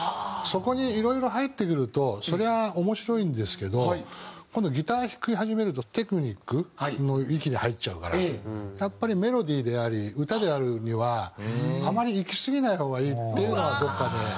そこにいろいろ入ってくるとそれは面白いんですけど今度ギター弾き始めるとテクニックの域に入っちゃうからやっぱりメロディーであり歌であるにはあまりいきすぎない方がいいっていうのはどこかで。